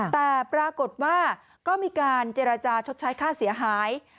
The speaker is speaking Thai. แต่ปรากฏว่าก็มีการเจรจาชดใช้ค่าเสียหาย